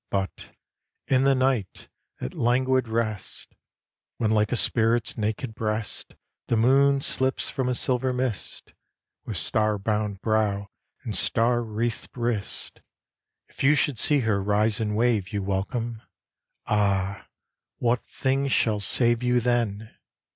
But, in the night, at languid rest, When like a spirit's naked breast The moon slips from a silver mist, With star bound brow, and star wreathed wrist, If you should see her rise and wave You welcome, ah! what thing shall save You then?